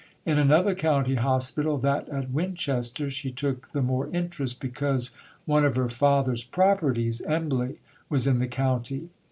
In another county hospital, that at Winchester, she took the more interest, because one of her father's properties (Embley) was in the county.